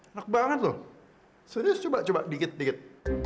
enak banget loh serius coba coba dikit dikit